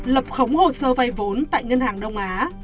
lập khống hồ sơ vay vốn tại ngân hàng đông á